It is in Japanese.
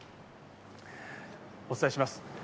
お伝えします。